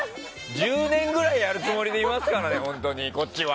１０年ぐらいやるつもりでいますからねこっちは。